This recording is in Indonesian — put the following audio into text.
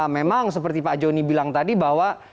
memang seperti pak joni bilang tadi bahwa